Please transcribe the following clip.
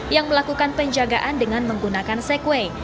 yang melakukan penjagaan dengan menggunakan segway